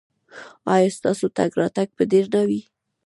ایا ستاسو تګ راتګ به ډیر نه وي؟